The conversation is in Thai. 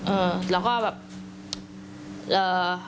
เออแล้วก็แบบเอ่อ